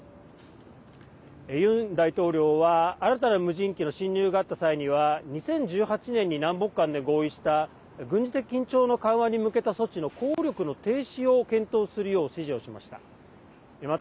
ユン大統領は、新たな無人機の侵入があった際には２０１８年に南北間で合意した軍事的緊張の緩和に向けた措置の効力の停止を検討するよう指示をしました。